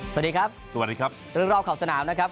สวัสดีครับสวัสดีครับเรื่องรอบขอบสนามนะครับ